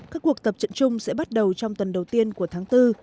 các cuộc tập trận chung sẽ bắt đầu trong tuần đầu tiên của tháng bốn